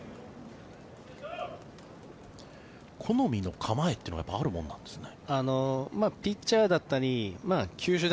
好みの構えというのはあるものなんですか？